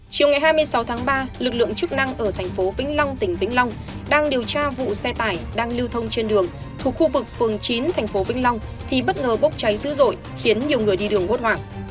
chiều ngày hai mươi sáu tháng ba lực lượng chức năng ở thành phố vĩnh long tỉnh vĩnh long đang điều tra vụ xe tải đang lưu thông trên đường thuộc khu vực phường chín thành phố vĩnh long thì bất ngờ bốc cháy dữ dội khiến nhiều người đi đường hốt hoảng